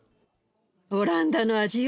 オランダの味よ。